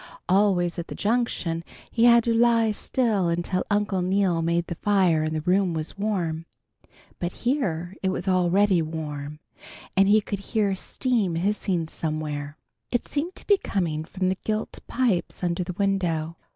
Always at the Junction he had to lie still until Uncle Neal made the fire and the room was warm; but here it was already warm, and he could hear steam hissing somewhere. It seemed to be coming from the gilt pipes under the window.